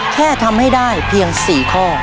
แค่ทำให้ได้เพียง๔ข้อ